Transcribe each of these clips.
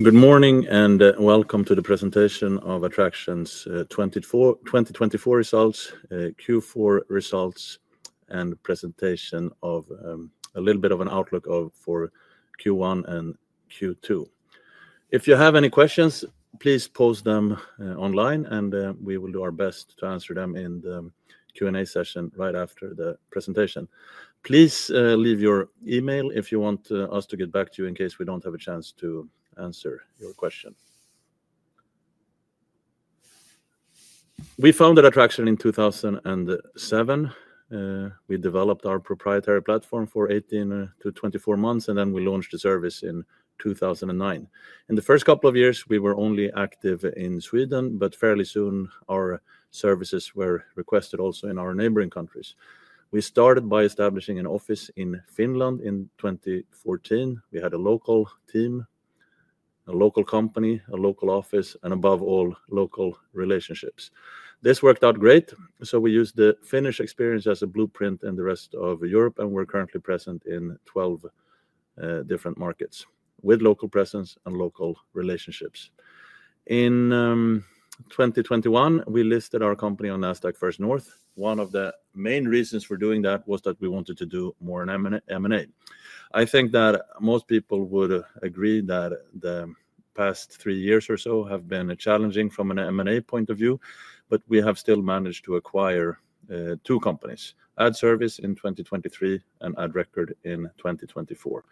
Good morning and welcome to the presentation of Adtraction's 2024 results, Q4 results, and presentation of a little bit of an outlook for Q1 and Q2. If you have any questions, please post them online, and we will do our best to answer them in the Q&A session right after the presentation. Please leave your email if you want us to get back to you in case we do not have a chance to answer your question. We founded Adtraction in 2007. We developed our proprietary platform for 18 to 24 months, and then we launched the service in 2009. In the first couple of years, we were only active in Sweden, but fairly soon our services were requested also in our neighboring countries. We started by establishing an office in Finland in 2014. We had a local team, a local company, a local office, and above all, local relationships. This worked out great, so we used the Finnish experience as a blueprint in the rest of Europe, and we're currently present in 12 different markets with local presence and local relationships. In 2021, we listed our company on Nasdaq First North. One of the main reasons for doing that was that we wanted to do more M&A. I think that most people would agree that the past three years or so have been challenging from an M&A point of view, but we have still managed to acquire two companies: Adservice in 2023 and Adrecord in 2024.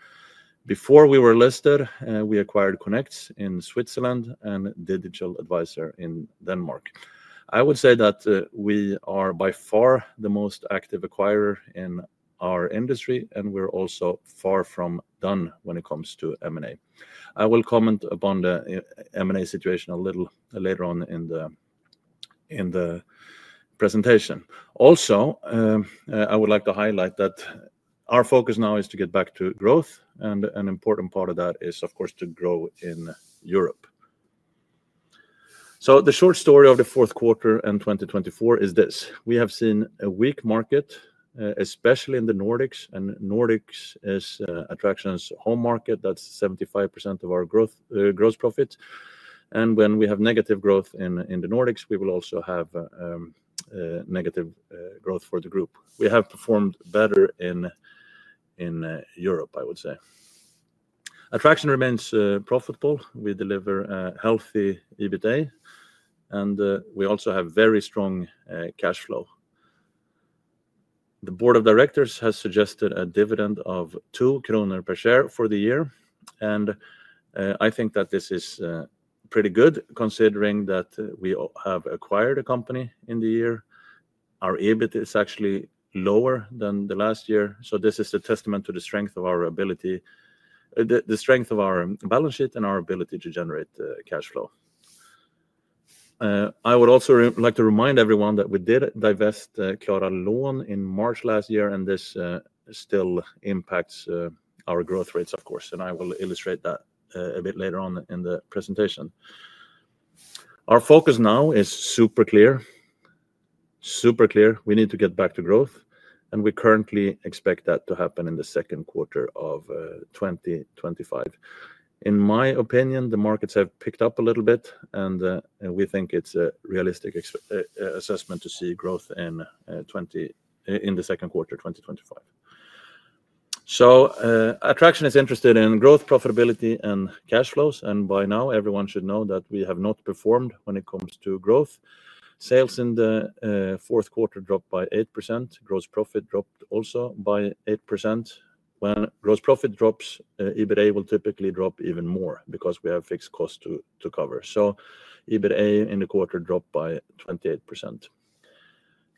Before we were listed, we acquired Connects in Switzerland and Digital Advisor in Denmark. I would say that we are by far the most active acquirer in our industry, and we're also far from done when it comes to M&A. I will comment upon the M&A situation a little later on in the presentation. Also, I would like to highlight that our focus now is to get back to growth, and an important part of that is, of course, to grow in Europe. The short story of the Q4 and 2024 is this: we have seen a weak market, especially in the Nordics, and Nordics is Adtraction's home market. That is 75% of our gross profits. When we have negative growth in the Nordics, we will also have negative growth for the group. We have performed better in Europe, I would say. Adtraction remains profitable. We deliver a healthy EBITDA, and we also have very strong cash flow. The board of directors has suggested a dividend of 2 kronor per share for the year, and I think that this is pretty good considering that we have acquired a company in the year. Our EBIT is actually lower than the last year, so this is a testament to the strength of our balance sheet and our ability to generate cash flow. I would also like to remind everyone that we did divest Klara Lån in March last year, and this still impacts our growth rates, of course, and I will illustrate that a bit later on in the presentation. Our focus now is super clear, super clear. We need to get back to growth, and we currently expect that to happen in the Q2 of 2025. In my opinion, the markets have picked up a little bit, and we think it's a realistic assessment to see growth in the Q2 of 2025. Adtraction is interested in growth, profitability, and cash flows, and by now, everyone should know that we have not performed when it comes to growth. Sales in the Q4 dropped by 8%. Gross profit dropped also by 8%. When gross profit drops, EBITDA will typically drop even more because we have fixed costs to cover. EBITDA in the quarter dropped by 28%.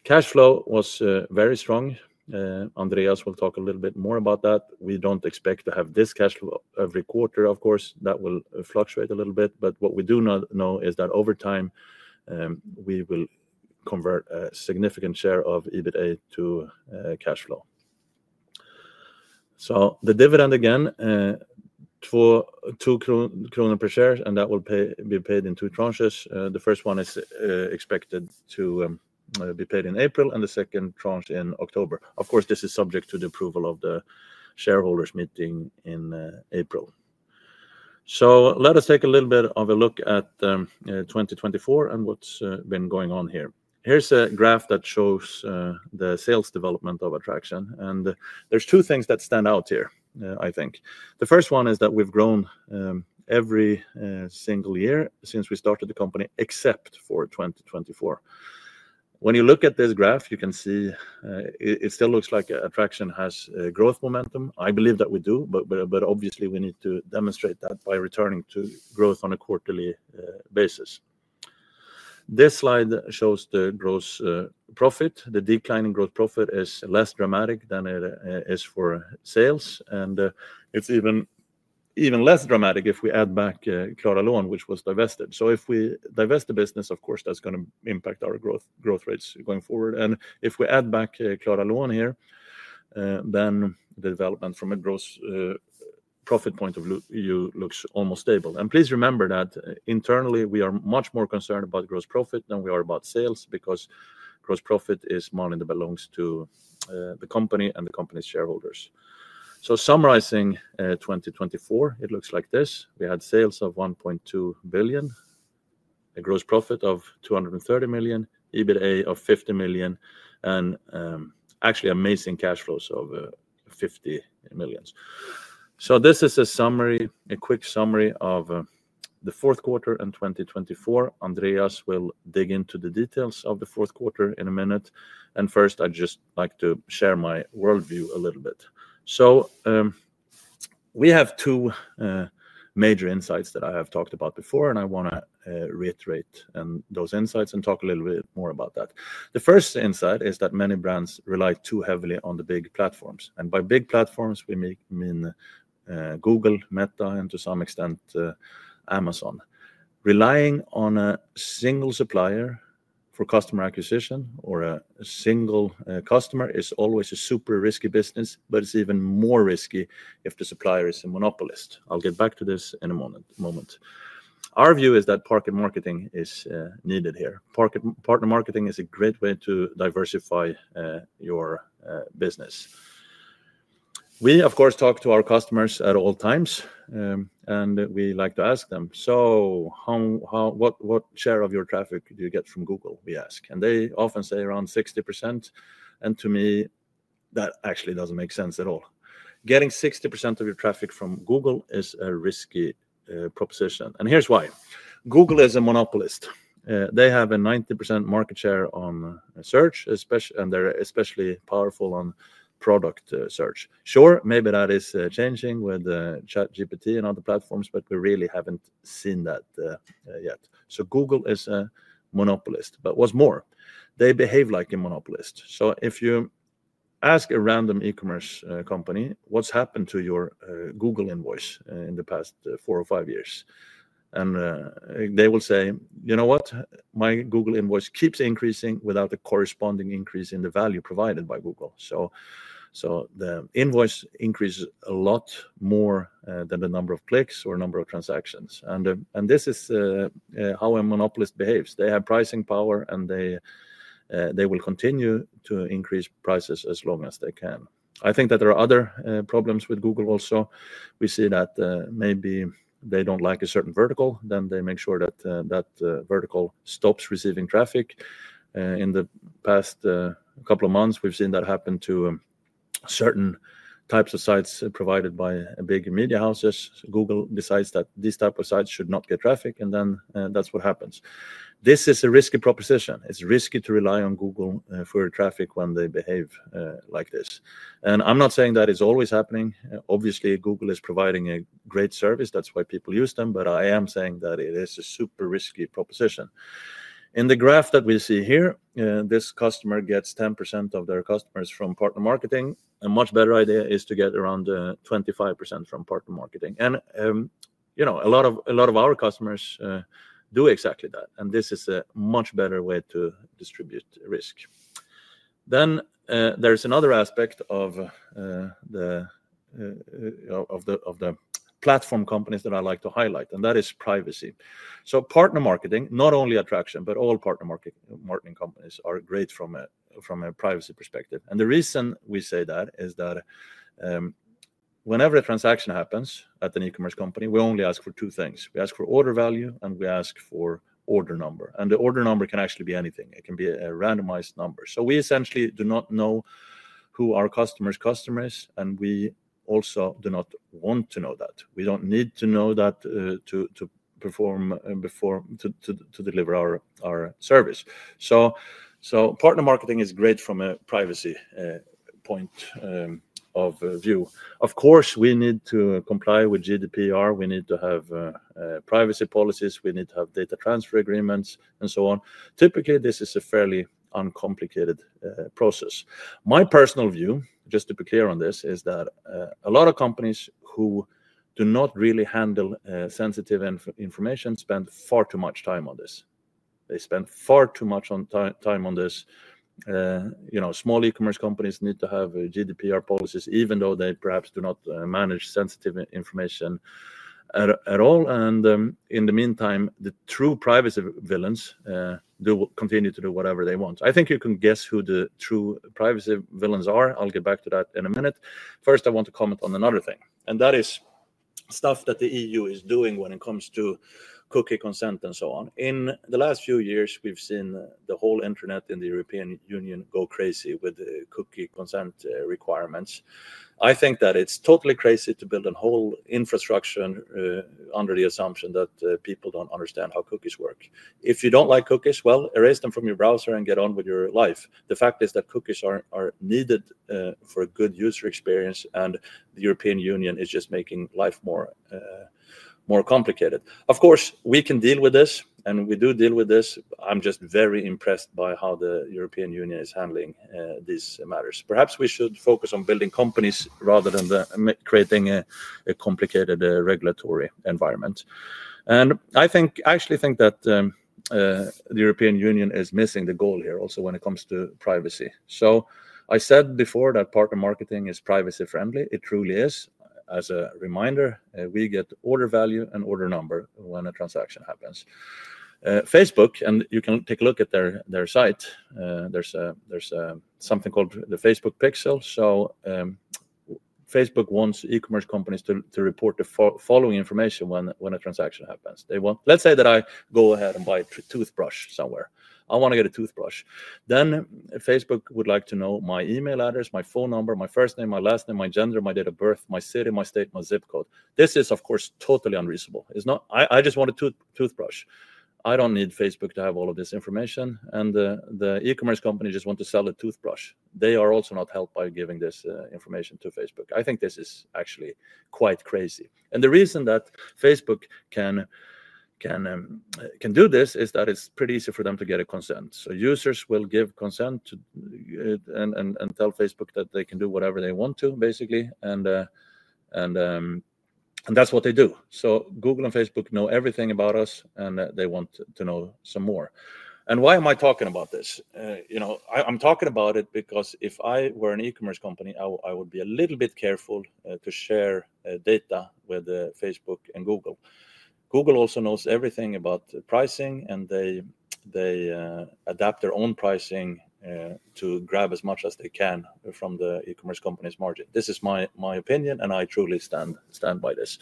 Cash flow was very strong. Andreas will talk a little bit more about that. We don't expect to have this cash flow every quarter, of course. That will fluctuate a little bit, but what we do know is that over time, we will convert a significant share of EBITDA to cash flow. The dividend again, 2 kronor per share, and that will be paid in two tranches. The first one is expected to be paid in April, and the second tranche in October. Of course, this is subject to the approval of the shareholders' meeting in April. Let us take a little bit of a look at 2024 and what's been going on here. Here's a graph that shows the sales development of Adtraction, and there are two things that stand out here, I think. The first one is that we've grown every single year since we started the company, except for 2024. When you look at this graph, you can see it still looks like Adtraction has growth momentum. I believe that we do, but obviously, we need to demonstrate that by returning to growth on a quarterly basis. This slide shows the gross profit. The decline in gross profit is less dramatic than it is for sales, and it's even less dramatic if we add back Klara Lån, which was divested. If we divest the business, of course, that's going to impact our growth rates going forward. If we add back Klara Lån here, then the development from a gross profit point of view looks almost stable. Please remember that internally, we are much more concerned about gross profit than we are about sales because gross profit is money that belongs to the company and the company's shareholders. Summarizing 2024, it looks like this. We had sales of 1.2 billion, a gross profit of 230 million, EBITDA of 50 million, and actually amazing cash flows of 50 million. This is a quick summary of the Q4 and 2024. Andreas will dig into the details of the Q4 in a minute. First, I'd just like to share my worldview a little bit. We have two major insights that I have talked about before, and I want to reiterate those insights and talk a little bit more about that. The first insight is that many brands rely too heavily on the big platforms. By big platforms, we mean Google, Meta, and to some extent, Amazon. Relying on a single supplier for customer acquisition or a single customer is always a super risky business, but it's even more risky if the supplier is a monopolist. I'll get back to this in a moment. Our view is that partner marketing is needed here. Partner marketing is a great way to diversify your business. We, of course, talk to our customers at all times, and we like to ask them, "So what share of your traffic do you get from Google?" we ask. They often say around 60%, and to me, that actually does not make sense at all. Getting 60% of your traffic from Google is a risky proposition, and here is why. Google is a monopolist. They have a 90% market share on search, and they are especially powerful on product search. Sure, maybe that is changing with ChatGPT and other platforms, but we really have not seen that yet. Google is a monopolist, but what is more? They behave like a monopolist. If you ask a random e-commerce company, "What has happened to your Google invoice in the past four or five years?" they will say, "You know what? My Google invoice keeps increasing without a corresponding increase in the value provided by Google." The invoice increases a lot more than the number of clicks or number of transactions. This is how a monopolist behaves. They have pricing power, and they will continue to increase prices as long as they can. I think that there are other problems with Google also. We see that maybe they do not like a certain vertical, then they make sure that that vertical stops receiving traffic. In the past couple of months, we have seen that happen to certain types of sites provided by big media houses. Google decides that these types of sites should not get traffic, and that is what happens. This is a risky proposition. It is risky to rely on Google for traffic when they behave like this. I am not saying that it is always happening. Obviously, Google is providing a great service. That's why people use them, but I am saying that it is a super risky proposition. In the graph that we see here, this customer gets 10% of their customers from partner marketing. A much better idea is to get around 25% from partner marketing. A lot of our customers do exactly that, and this is a much better way to distribute risk. There is another aspect of the platform companies that I like to highlight, and that is privacy. Partner marketing, not only Adtraction, but all partner marketing companies are great from a privacy perspective. The reason we say that is that whenever a transaction happens at an e-commerce company, we only ask for two things. We ask for order value, and we ask for order number. The order number can actually be anything. It can be a randomized number. We essentially do not know who our customer's customer is, and we also do not want to know that. We do not need to know that to deliver our service. Partner marketing is great from a privacy point of view. Of course, we need to comply with GDPR. We need to have privacy policies. We need to have data transfer agreements and so on. Typically, this is a fairly uncomplicated process. My personal view, just to be clear on this, is that a lot of companies who do not really handle sensitive information spend far too much time on this. They spend far too much time on this. Small e-commerce companies need to have GDPR policies, even though they perhaps do not manage sensitive information at all. In the meantime, the true privacy villains continue to do whatever they want. I think you can guess who the true privacy villains are. I'll get back to that in a minute. First, I want to comment on another thing, and that is stuff that the EU is doing when it comes to cookie consent and so on. In the last few years, we've seen the whole internet in the European Union go crazy with cookie consent requirements. I think that it's totally crazy to build a whole infrastructure under the assumption that people don't understand how cookies work. If you don't like cookies, erase them from your browser and get on with your life. The fact is that cookies are needed for a good user experience, and the European Union is just making life more complicated. Of course, we can deal with this, and we do deal with this. I'm just very impressed by how the European Union is handling these matters. Perhaps we should focus on building companies rather than creating a complicated regulatory environment. I actually think that the European Union is missing the goal here also when it comes to privacy. I said before that partner marketing is privacy-friendly. It truly is. As a reminder, we get order value and order number when a transaction happens. Facebook, and you can take a look at their site. There's something called the Facebook Pixel. Facebook wants e-commerce companies to report the following information when a transaction happens. Let's say that I go ahead and buy a toothbrush somewhere. I want to get a toothbrush. Facebook would like to know my email address, my phone number, my first name, my last name, my gender, my date of birth, my city, my state, my zip code. This is, of course, totally unreasonable. I just want a toothbrush. I don't need Facebook to have all of this information, and the e-commerce company just wants to sell a toothbrush. They are also not helped by giving this information to Facebook. I think this is actually quite crazy. The reason that Facebook can do this is that it's pretty easy for them to get a consent. Users will give consent and tell Facebook that they can do whatever they want to, basically, and that's what they do. Google and Facebook know everything about us, and they want to know some more. Why am I talking about this? I'm talking about it because if I were an e-commerce company, I would be a little bit careful to share data with Facebook and Google. Google also knows everything about pricing, and they adapt their own pricing to grab as much as they can from the e-commerce company's margin. This is my opinion, and I truly stand by this.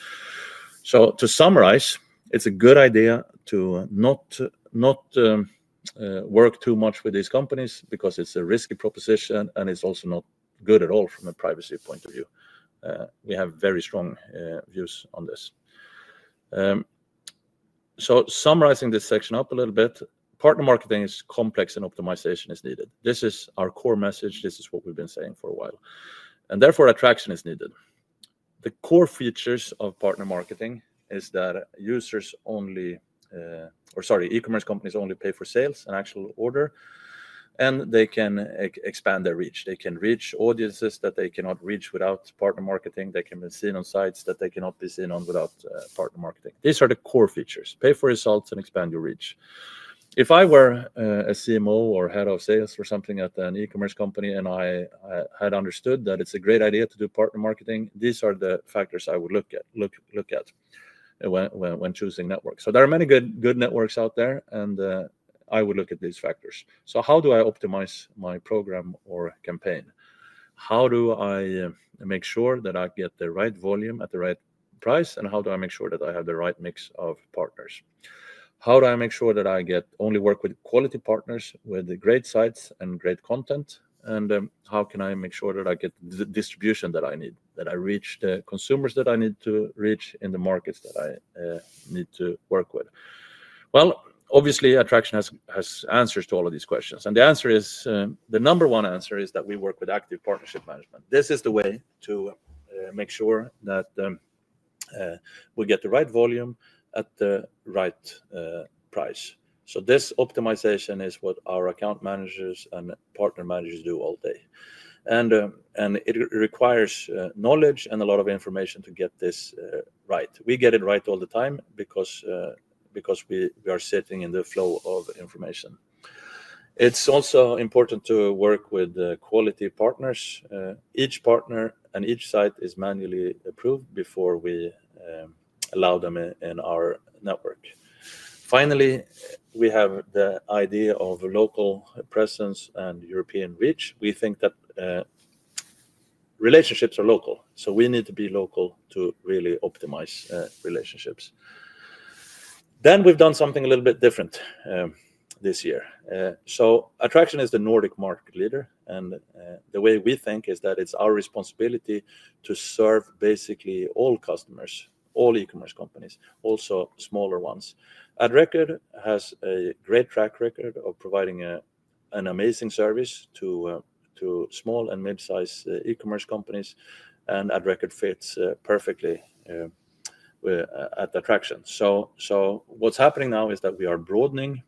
To summarize, it's a good idea to not work too much with these companies because it's a risky proposition, and it's also not good at all from a privacy point of view. We have very strong views on this. Summarizing this section up a little bit, partner marketing is complex, and optimization is needed. This is our core message. This is what we've been saying for a while. Therefore, Adtraction is needed. The core features of partner marketing is that users only, or sorry, e-commerce companies only pay for sales and actual order, and they can expand their reach. They can reach audiences that they cannot reach without partner marketing. They can be seen on sites that they cannot be seen on without partner marketing. These are the core features. Pay for results and expand your reach. If I were a CMO or Head of Sales or something at an e-commerce company and I had understood that it's a great idea to do partner marketing, these are the factors I would look at when choosing networks. There are many good networks out there, and I would look at these factors. How do I optimize my program or campaign? How do I make sure that I get the right volume at the right price, and how do I make sure that I have the right mix of partners? How do I make sure that I only work with quality partners, with great sites and great content? How can I make sure that I get the distribution that I need, that I reach the consumers that I need to reach in the markets that I need to work with? Obviously, Adtraction has answers to all of these questions. The number one answer is that we work with active partnership management. This is the way to make sure that we get the right volume at the right price. This optimization is what our account managers and partner managers do all day. It requires knowledge and a lot of information to get this right. We get it right all the time because we are sitting in the flow of information. It is also important to work with quality partners. Each partner and each site is manually approved before we allow them in our network. Finally, we have the idea of local presence and European reach. We think that relationships are local, so we need to be local to really optimize relationships. We have done something a little bit different this year. Adtraction is the Nordic market leader, and the way we think is that it is our responsibility to serve basically all customers, all e-commerce companies, also smaller ones. Adrecord has a great track record of providing an amazing service to small and mid-size e-commerce companies, and Adrecord fits perfectly at Adtraction. What is happening now is that we are broadening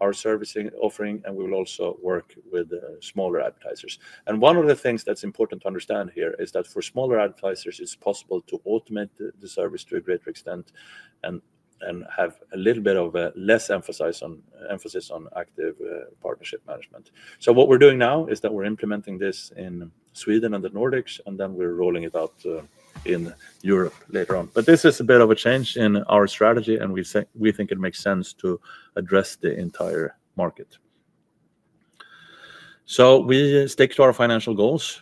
our servicing offering, and we will also work with smaller advertisers. One of the things that is important to understand here is that for smaller advertisers, it is possible to automate the service to a greater extent and have a little bit of less emphasis on active partnership management. What we're doing now is that we're implementing this in Sweden and the Nordics, and then we're rolling it out in Europe later on. This is a bit of a change in our strategy, and we think it makes sense to address the entire market. We stick to our financial goals.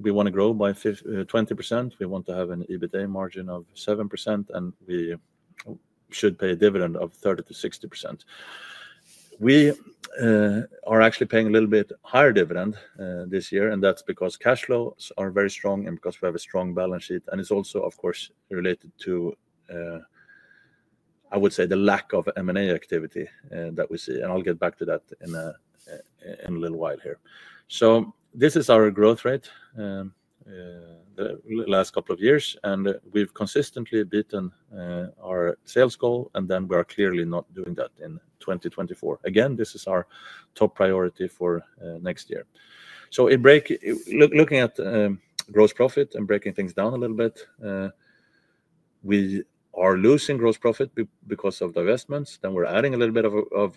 We want to grow by 20%. We want to have an EBITDA margin of 7%, and we should pay a dividend of 30%-60%. We are actually paying a little bit higher dividend this year, and that's because cash flows are very strong and because we have a strong balance sheet. It's also, of course, related to, I would say, the lack of M&A activity that we see, and I'll get back to that in a little while here. This is our growth rate the last couple of years, and we've consistently beaten our sales goal, and then we are clearly not doing that in 2024. Again, this is our top priority for next year. Looking at gross profit and breaking things down a little bit, we are losing gross profit because of divestments. Then we're adding a little bit of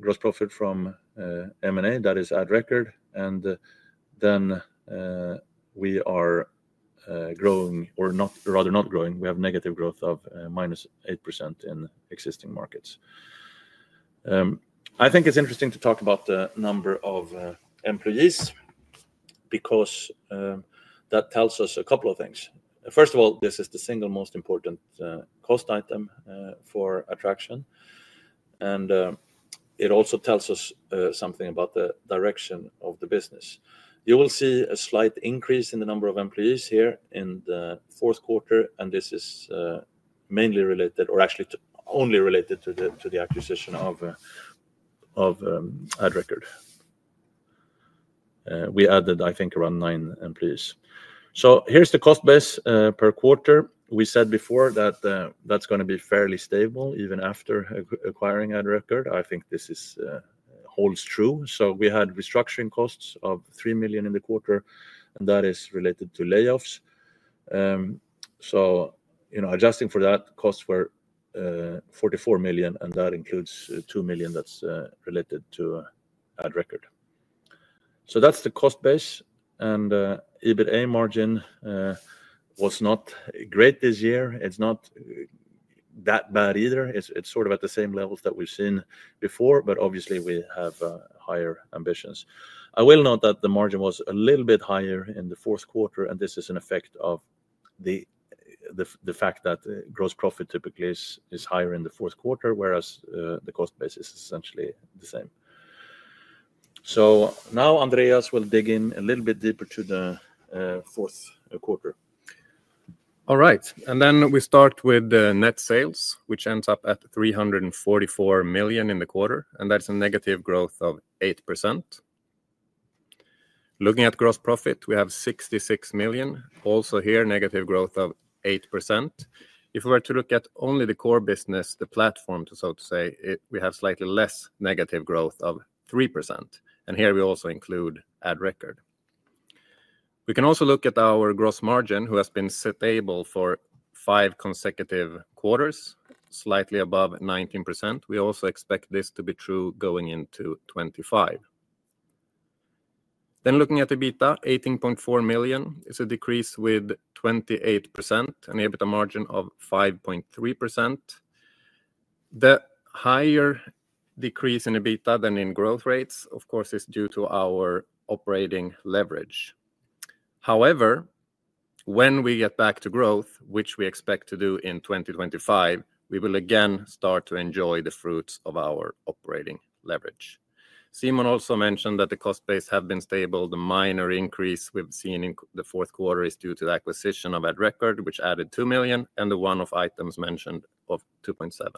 gross profit from M&A. That is Adtraction. We are growing, or rather not growing. We have negative growth of minus 8% in existing markets. I think it's interesting to talk about the number of employees because that tells us a couple of things. First of all, this is the single most important cost item for Adtraction, and it also tells us something about the direction of the business. You will see a slight increase in the number of employees here in the Q4, and this is mainly related, or actually only related to the acquisition of Adrecord. We added, I think, around nine employees. Here is the cost base per quarter. We said before that that is going to be fairly stable even after acquiring Adrecord. I think this holds true. We had restructuring costs of 3 million in the quarter, and that is related to layoffs. Adjusting for that, costs were 44 million, and that includes 2 million that is related to Adrecord. That is the cost base, and EBITDA margin was not great this year. It is not that bad either. It is sort of at the same levels that we have seen before, but obviously, we have higher ambitions. I will note that the margin was a little bit higher in the Q4, and this is an effect of the fact that gross profit typically is higher in the Q4, whereas the cost base is essentially the same. Now Andreas will dig in a little bit deeper to the Q4. All right. We start with net sales, which ends up at 344 million in the quarter, and that's a negative growth of 8%. Looking at gross profit, we have 66 million. Also here, negative growth of 8%. If we were to look at only the core business, the platform, so to say, we have slightly less negative growth of 3%. Here we also include Adrecord. We can also look at our gross margin, which has been stable for five consecutive quarters, slightly above 19%. We also expect this to be true going into 2025. Looking at EBITDA, 18.4 million is a decrease of 28% and an EBITDA margin of 5.3%. The higher decrease in EBITDA than in growth rates, of course, is due to our operating leverage. However, when we get back to growth, which we expect to do in 2025, we will again start to enjoy the fruits of our operating leverage. Simon also mentioned that the cost base has been stable. The minor increase we have seen in the Q4 is due to the acquisition of Adrecord, which added 2 million, and the one-off items mentioned of 2.7 million.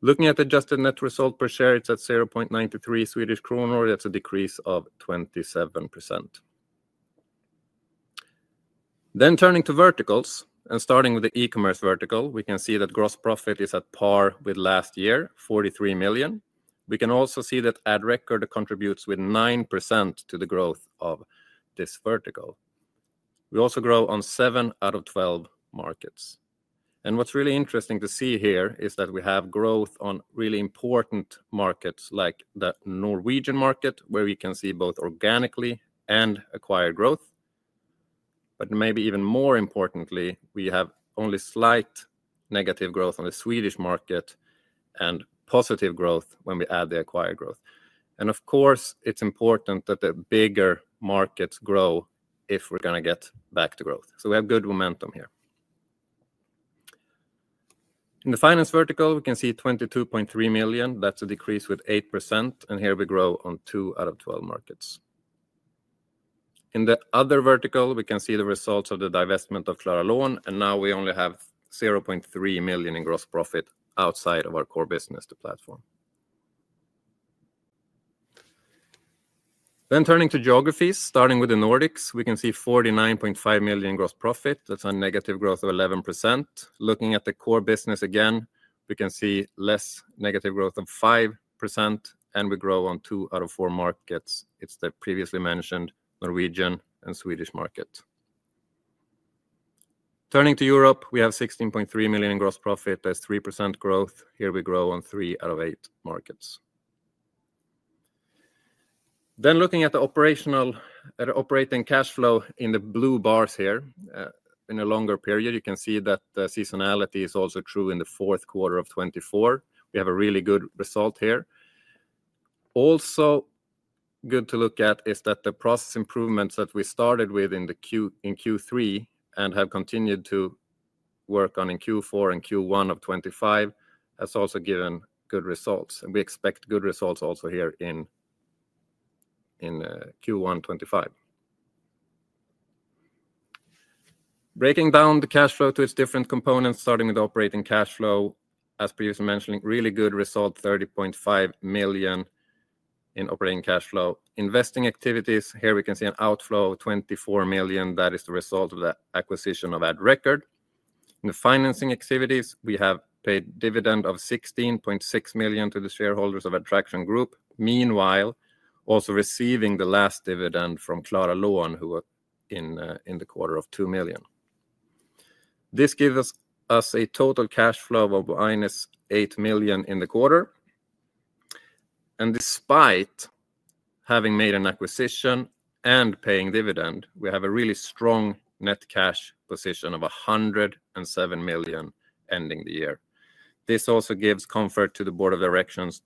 Looking at adjusted net result per share, it is at 0.93 Swedish kronor, which is a decrease of 27%. Turning to verticals and starting with the e-commerce vertical, we can see that gross profit is at par with last year, 43 million. We can also see that Adtraction contributes with 9% to the growth of this vertical. We also grow on 7 out of 12 markets. What's really interesting to see here is that we have growth on really important markets like the Norwegian market, where we can see both organically and acquired growth. Maybe even more importantly, we have only slight negative growth on the Swedish market and positive growth when we add the acquired growth. Of course, it's important that the bigger markets grow if we're going to get back to growth. We have good momentum here. In the finance vertical, we can see 22.3 million. That's a decrease with 8%, and here we grow on 2 out of 12 markets. In the other vertical, we can see the results of the divestment of Klara Lån, and now we only have 0.3 million in gross profit outside of our core business, the platform. Turning to geographies, starting with the Nordics, we can see 49.5 million in gross profit. That is a negative growth of 11%. Looking at the core business again, we can see less negative growth of 5%, and we grow on two out of four markets. It is the previously mentioned Norwegian and Swedish markets. Turning to Europe, we have 16.3 million in gross profit. That is 3% growth. Here we grow on three out of eight markets. Looking at the operating cash flow in the blue bars here in a longer period, you can see that the seasonality is also true in the Q4 of 2024. We have a really good result here. Also good to look at is that the process improvements that we started with in Q3 and have continued to work on in Q4 and Q1 of 2025 has also given good results. We expect good results also here in Q1 2025. Breaking down the cash flow to its different components, starting with operating cash flow, as previously mentioned, really good result, 30.5 million in operating cash flow. Investing activities, here we can see an outflow of 24 million. That is the result of the acquisition of Adrecord. In the financing activities, we have paid dividend of 16.6 million to the shareholders of Adtraction Group. Meanwhile, also receiving the last dividend from Klara Lån, who in the quarter of 2 million. This gives us a total cash flow of minus 8 million in the quarter. Despite having made an acquisition and paying dividend, we have a really strong net cash position of 107 million ending the year. This also gives comfort to the board of directors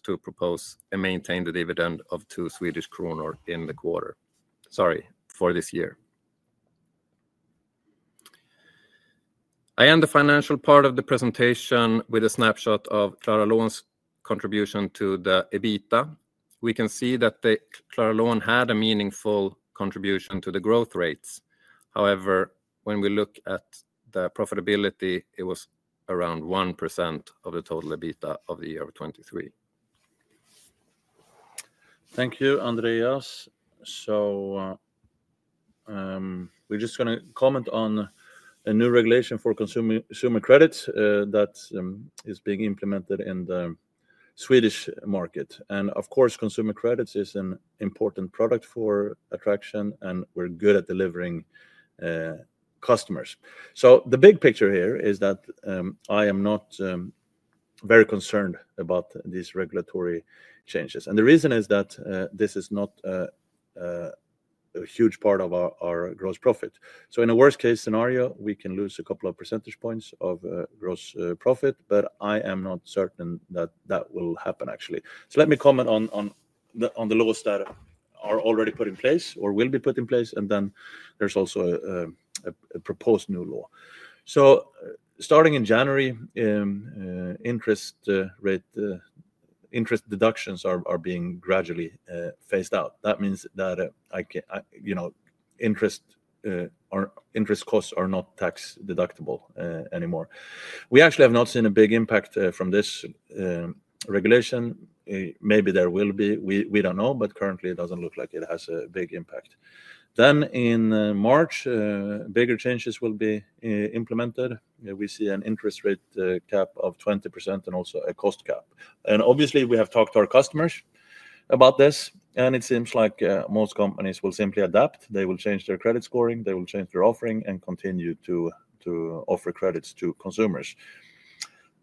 to propose and maintain the dividend of 2 Swedish kronor in the quarter. Sorry, for this year. I end the financial part of the presentation with a snapshot of Klara Lån's contribution to the EBITDA. We can see that Klara Lån had a meaningful contribution to the growth rates. However, when we look at the profitability, it was around 1% of the total EBITDA of the year of 2023. Thank you, Andreas. We are just going to comment on a new regulation for consumer credits that is being implemented in the Swedish market. Of course, consumer credits is an important product for Adtraction, and we are good at delivering customers. The big picture here is that I am not very concerned about these regulatory changes. The reason is that this is not a huge part of our gross profit. In a worst-case scenario, we can lose a couple of percentage points of gross profit, but I am not certain that that will happen, actually. Let me comment on the laws that are already put in place or will be put in place, and then there is also a proposed new law. Starting in January, interest deductions are being gradually phased out. That means that interest costs are not tax-deductible anymore. We actually have not seen a big impact from this regulation. Maybe there will be. We do not know, but currently, it does not look like it has a big impact. In March, bigger changes will be implemented. We see an interest rate cap of 20% and also a cost cap. Obviously, we have talked to our customers about this, and it seems like most companies will simply adapt. They will change their credit scoring. They will change their offering and continue to offer credits to consumers.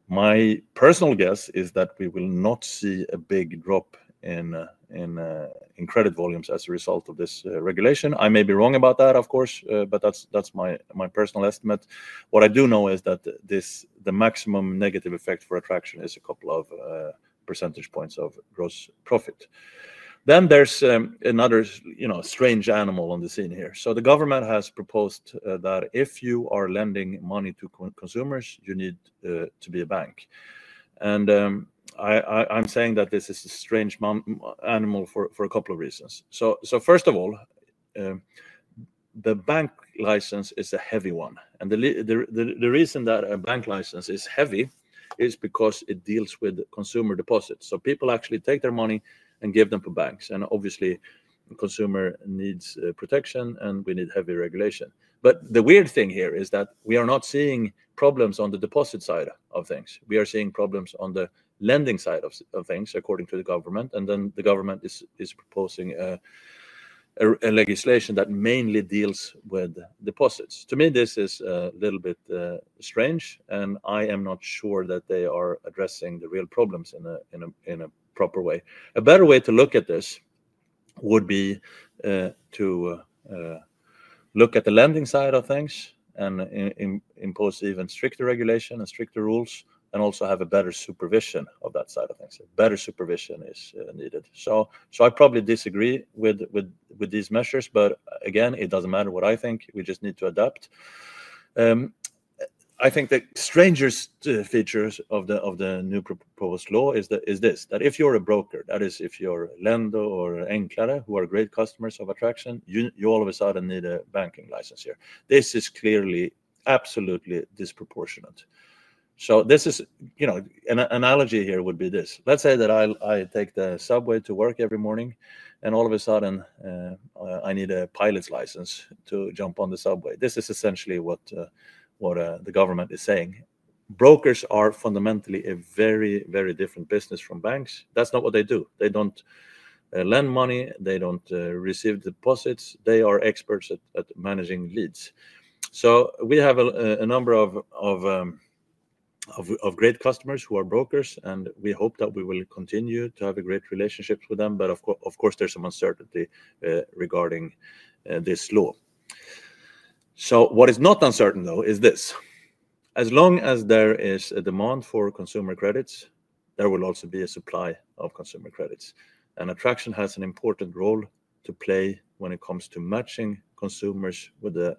My personal guess is that we will not see a big drop in credit volumes as a result of this regulation. I may be wrong about that, of course, but that's my personal estimate. What I do know is that the maximum negative effect for Adtraction is a couple of percentage points of gross profit. There is another strange animal on the scene here. The government has proposed that if you are lending money to consumers, you need to be a bank. I am saying that this is a strange animal for a couple of reasons. First of all, the bank license is a heavy one. The reason that a bank license is heavy is because it deals with consumer deposits. People actually take their money and give them to banks. Obviously, consumer needs protection, and we need heavy regulation. The weird thing here is that we are not seeing problems on the deposit side of things. We are seeing problems on the lending side of things, according to the government. The government is proposing a legislation that mainly deals with deposits. To me, this is a little bit strange, and I am not sure that they are addressing the real problems in a proper way. A better way to look at this would be to look at the lending side of things and impose even stricter regulation and stricter rules, and also have a better supervision of that side of things. Better supervision is needed. I probably disagree with these measures, but again, it doesn't matter what I think. We just need to adapt. I think the strangest feature of the new proposed law is this. If you're a broker, that is, if you're Lendo or Enklare, who are great customers of Adtraction, you all of a sudden need a banking license here. This is clearly absolutely disproportionate. An analogy here would be this. Let's say that I take the subway to work every morning, and all of a sudden, I need a pilot's license to jump on the subway. This is essentially what the government is saying. Brokers are fundamentally a very, very different business from banks. That's not what they do. They don't lend money. They don't receive deposits. They are experts at managing leads. We have a number of great customers who are brokers, and we hope that we will continue to have a great relationship with them. Of course, there is some uncertainty regarding this law. What is not uncertain, though, is this. As long as there is a demand for consumer credits, there will also be a supply of consumer credits. Adtraction has an important role to play when it comes to matching consumers with the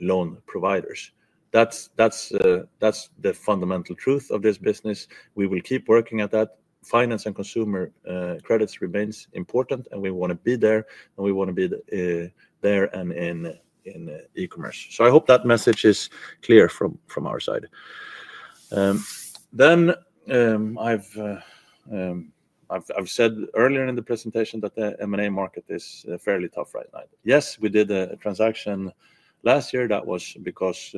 loan providers. That's the fundamental truth of this business. We will keep working at that. Finance and consumer credits remain important, and we want to be there, and we want to be there and in e-commerce. I hope that message is clear from our side. I have said earlier in the presentation that the M&A market is fairly tough right now. Yes, we did a transaction last year that was because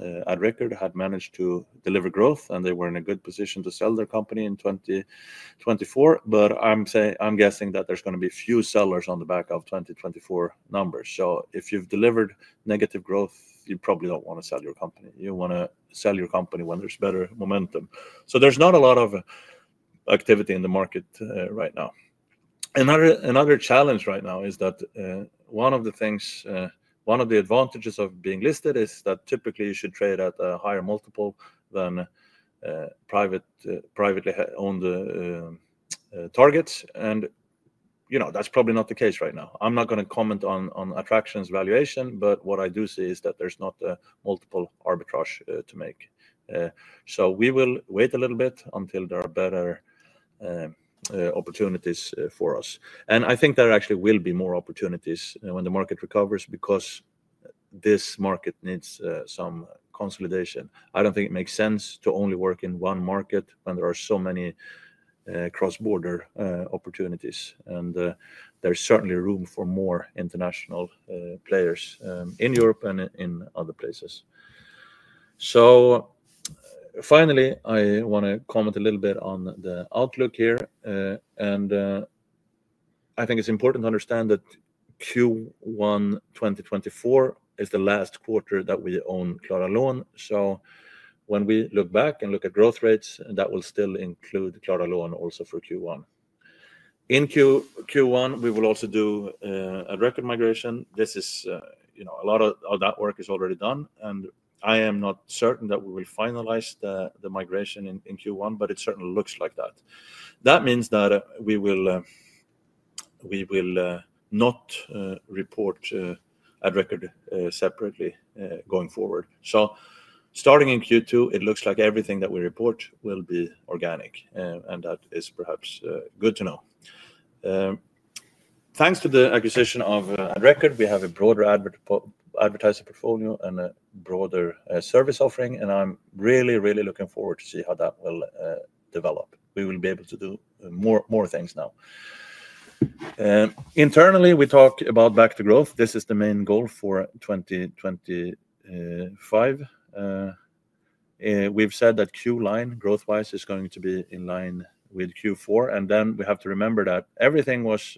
Adtraction had managed to deliver growth, and they were in a good position to sell their company in 2024. I am guessing that there is going to be few sellers on the back of 2024 numbers. If you have delivered negative growth, you probably do not want to sell your company. You want to sell your company when there is better momentum. There is not a lot of activity in the market right now. Another challenge right now is that one of the things, one of the advantages of being listed is that typically you should trade at a higher multiple than privately owned targets. That is probably not the case right now. I'm not going to comment on Adtraction's valuation, but what I do see is that there's not a multiple arbitrage to make. We will wait a little bit until there are better opportunities for us. I think there actually will be more opportunities when the market recovers because this market needs some consolidation. I don't think it makes sense to only work in one market when there are so many cross-border opportunities. There is certainly room for more international players in Europe and in other places. Finally, I want to comment a little bit on the outlook here. I think it's important to understand that Q1 2024 is the last quarter that we own Klara Lån. When we look back and look at growth rates, that will still include Klara Lån also for Q1. In Q1, we will also do a record migration. A lot of that work is already done. I am not certain that we will finalize the migration in Q1, but it certainly looks like that. That means that we will not report Adrecord separately going forward. Starting in Q2, it looks like everything that we report will be organic. That is perhaps good to know. Thanks to the acquisition of Adrecord, we have a broader advertiser portfolio and a broader service offering. I am really, really looking forward to see how that will develop. We will be able to do more things now. Internally, we talk about back-to-growth. This is the main goal for 2025. We have said that Q1, growth-wise, is going to be in line with Q4. We have to remember that everything was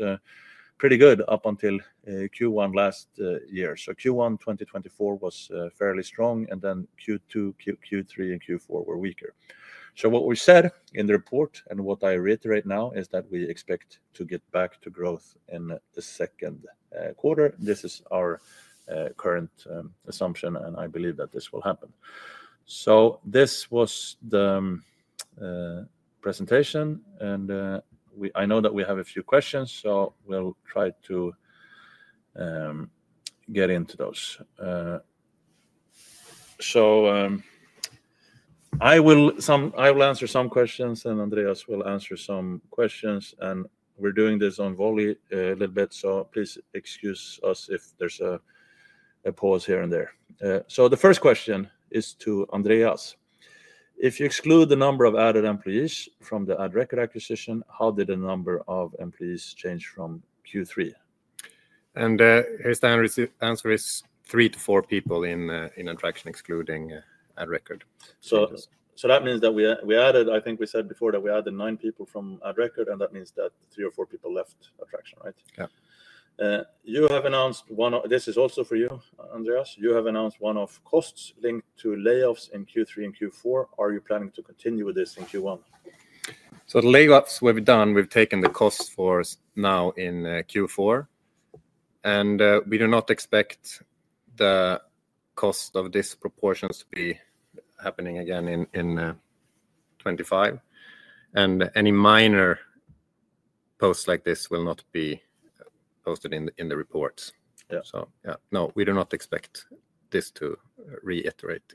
pretty good up until Q1 last year. Q1 2024 was fairly strong, and then Q2, Q3, and Q4 were weaker. What we said in the report and what I reiterate now is that we expect to get back to growth in the Q2. This is our current assumption, and I believe that this will happen. This was the presentation. I know that we have a few questions, so we'll try to get into those. I will answer some questions, and Andreas will answer some questions. We're doing this on volley a little bit, so please excuse us if there's a pause here and there. The first question is to Andreas. If you exclude the number of added employees from the Adrecord acquisition, how did the number of employees change from Q3? His answer is three to four people in Adtraction excluding Adrecord. That means that we added, I think we said before that we added nine people from Adrecord, and that means that three or four people left Adtraction, right? Yeah. You have announced one-off costs linked to layoffs in Q3 and Q4. Are you planning to continue with this in Q1? The layoffs will be done. We've taken the costs for now in Q4. We do not expect the cost of these proportions to be happening again in 2025. Any minor posts like this will not be posted in the reports. Yeah, no, we do not expect this to reiterate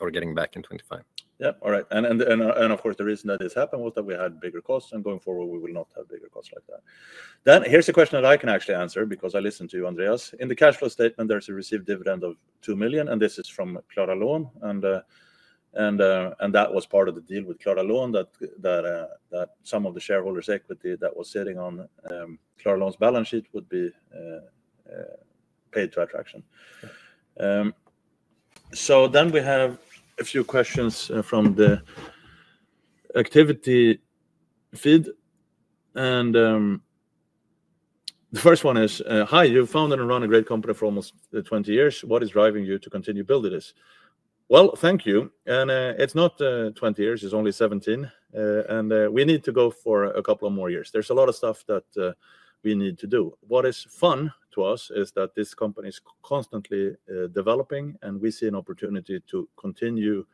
or get back in 2025. Yep. All right. Of course, the reason that this happened was that we had bigger costs, and going forward, we will not have bigger costs like that. Here is a question that I can actually answer because I listened to you, Andreas. In the cash flow statement, there is a received dividend of 2 million, and this is from Klara Lån. That was part of the deal with Klara Lån that some of the shareholders' equity that was sitting on Klara Lån's balance sheet would be paid to Adtraction. We have a few questions from the activity feed. The first one is, "Hi, you founded and run a great company for almost 20 years. What is driving you to continue building this?" Thank you. It is not 20 years. It is only 17. We need to go for a couple of more years. There is a lot of stuff that we need to do. What is fun to us is that this company is constantly developing, and we see an opportunity to continue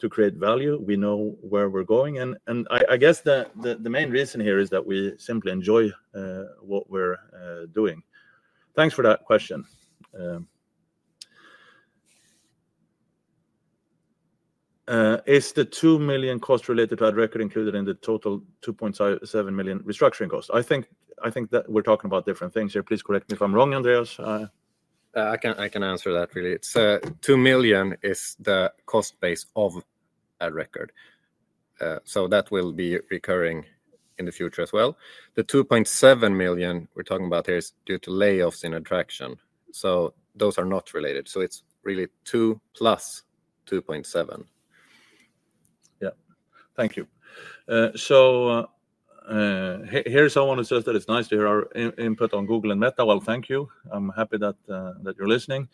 to create value. We know where we're going. I guess the main reason here is that we simply enjoy what we're doing. Thanks for that question. Is the 2 million cost related to Adrecord included in the total 2.7 million restructuring cost? I think that we're talking about different things here. Please correct me if I'm wrong, Andreas. I can answer that, really. 2 million is the cost base of Adrecord. That will be recurring in the future as well. The 2.7 million we're talking about here is due to layoffs in Adtraction. Those are not related. It is really 2 million plus 2.7 million. Thank you. Here is someone who says that it's nice to hear our input on Google and Meta. Thank you. I'm happy that you're listening.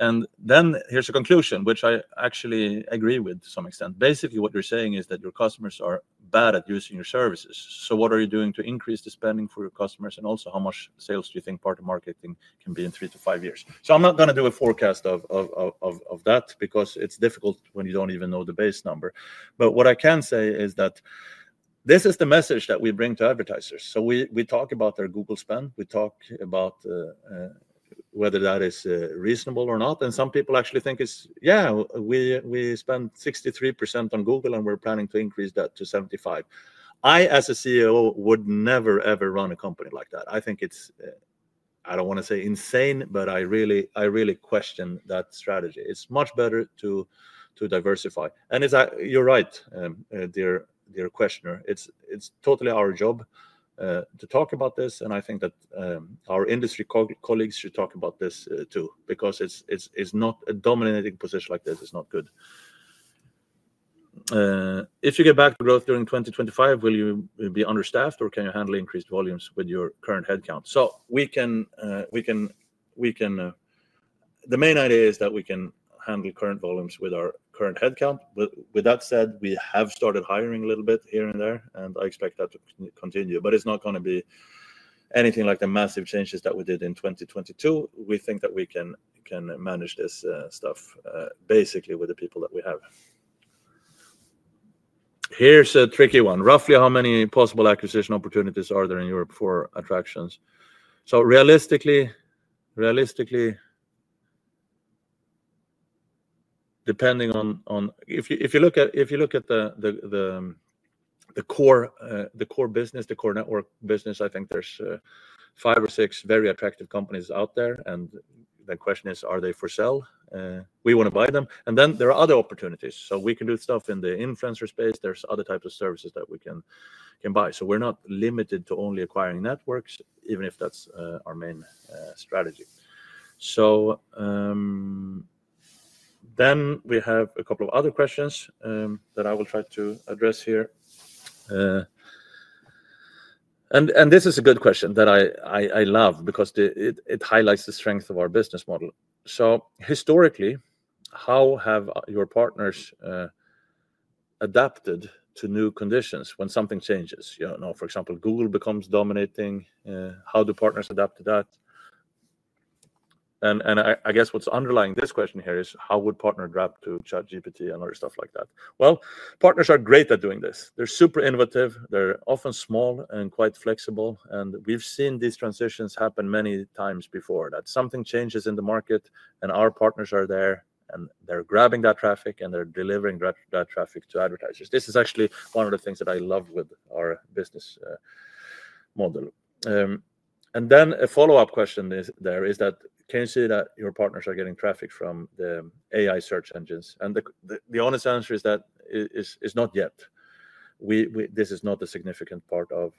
Here's a conclusion, which I actually agree with to some extent. Basically, what you're saying is that your customers are bad at using your services. What are you doing to increase the spending for your customers? Also, how much sales do you think partner marketing can be in three to five years? I'm not going to do a forecast of that because it's difficult when you don't even know the base number. What I can say is that this is the message that we bring to advertisers. We talk about their Google spend. We talk about whether that is reasonable or not. Some people actually think it's, yeah, we spend 63% on Google, and we're planning to increase that to 75%. I, as a CEO, would never, ever run a company like that. I think it's, I don't want to say insane, but I really question that strategy. It's much better to diversify. You're right, dear questioner. It's totally our job to talk about this. I think that our industry colleagues should talk about this too because it's not a dominating position like this. It's not good. If you get back to growth during 2025, will you be understaffed or can you handle increased volumes with your current headcount? The main idea is that we can handle current volumes with our current headcount. With that said, we have started hiring a little bit here and there, and I expect that to continue. It's not going to be anything like the massive changes that we did in 2022. We think that we can manage this stuff basically with the people that we have. Here's a tricky one. Roughly how many possible acquisition opportunities are there in Europe for Adtraction? Realistically, depending on if you look at the core business, the core network business, I think there are five or six very attractive companies out there. The question is, are they for sale? We want to buy them. There are other opportunities. We can do stuff in the influencer space. There are other types of services that we can buy. We are not limited to only acquiring networks, even if that is our main strategy. We have a couple of other questions that I will try to address here. This is a good question that I love because it highlights the strength of our business model. Historically, how have your partners adapted to new conditions when something changes? For example, Google becomes dominating. How do partners adapt to that? I guess what's underlying this question here is, how would partners adapt to ChatGPT and other stuff like that? Partners are great at doing this. They're super innovative. They're often small and quite flexible. We've seen these transitions happen many times before. That something changes in the market and our partners are there and they're grabbing that traffic and they're delivering that traffic to advertisers. This is actually one of the things that I love with our business model. A follow-up question there is that, can you see that your partners are getting traffic from the AI search engines? The honest answer is that it's not yet. This is not a significant part of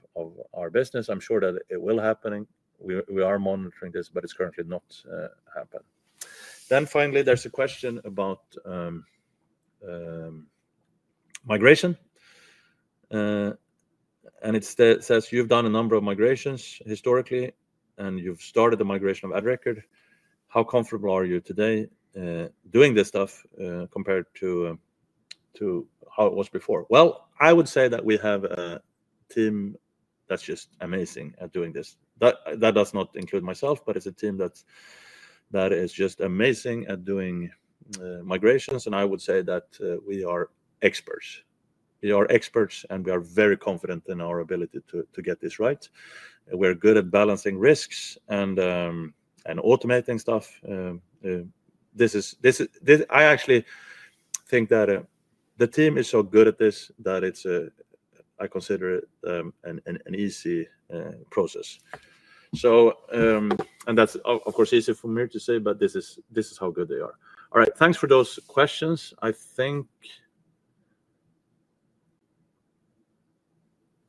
our business. I'm sure that it will happen. We are monitoring this, but it's currently not happening. Finally, there's a question about migration. You have done a number of migrations historically, and you have started the migration of Adrecord. How comfortable are you today doing this stuff compared to how it was before? I would say that we have a team that is just amazing at doing this. That does not include myself, but it is a team that is just amazing at doing migrations. I would say that we are experts. We are experts, and we are very confident in our ability to get this right. We are good at balancing risks and automating stuff. I actually think that the team is so good at this that I consider it an easy process. That is, of course, easy for me to say, but this is how good they are. All right. Thanks for those questions.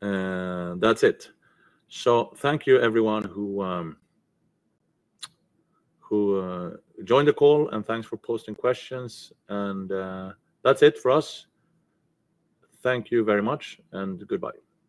I think that is it. Thank you, everyone who joined the call, and thanks for posting questions. That is it for us. Thank you very much, and goodbye.